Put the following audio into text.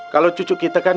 kalau cucu kita kan